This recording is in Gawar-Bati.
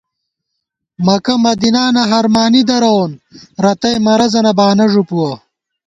مکہ مدینانہ ہرمانی درَوون ، رتئ مرَضَنہ بانہ ݫُپُوَہ